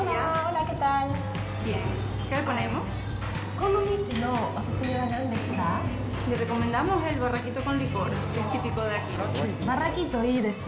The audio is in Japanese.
この店のお勧めは何ですか？